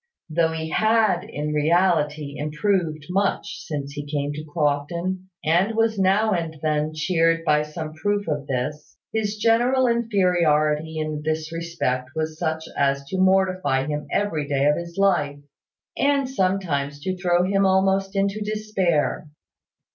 Though he had in reality improved much since he came to Crofton, and was now and then cheered by some proof of this, his general inferiority in this respect was such as to mortify him every day of his life, and sometimes to throw him almost into despair.